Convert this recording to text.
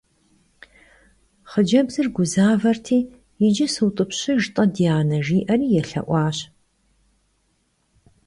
Xhıcebzır guzaverti: yicı sıut'ıpşıjj - t'e, di ane, – jji'eri yêlhe'uaş.